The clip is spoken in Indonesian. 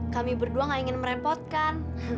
kami berdua gak ingin merepotkan